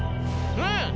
うん！